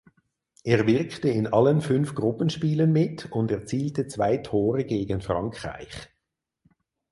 Er wirkte in allen fünf Gruppenspielen mit und erzielte zwei Tore gegen Frankreich.